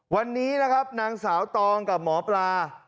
วันนี้นะครับนางสาวตองกับหมอปลา